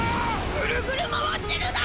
ぐるぐる回ってるだ！